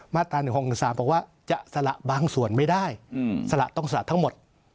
มาตรา๑๖๑๓บอกว่าจะสละบางส่วนไม่ได้สละต้องสละทั้งหมด